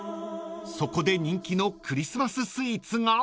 ［そこで人気のクリスマス・スイーツが］